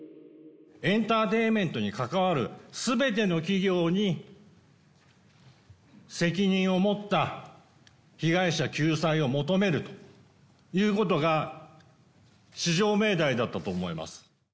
エンターテインメントに関わるすべての企業に、責任を持った被害者救済を求めるということが、至上命題だったと思います。